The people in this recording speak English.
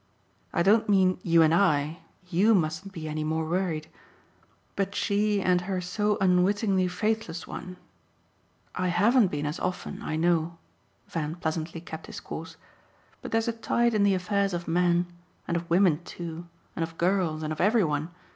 I don't mean you and I YOU mustn't be any more worried; but she and her so unwittingly faithless one. I HAVEN'T been as often, I know" Van pleasantly kept his course. "But there's a tide in the affairs of men and of women too, and of girls and of every one.